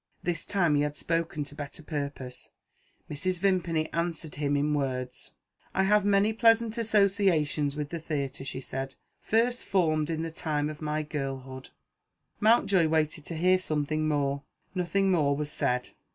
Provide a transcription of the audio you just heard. This time, he had spoken to better purpose. Mrs. Vimpany answered him in words. "I have many pleasant associations with the theatre," she said, "first formed in the time of my girlhood." Mountjoy waited to hear something more. Nothing more was said.